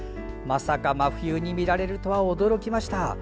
まさか真冬に見られるとは驚きました。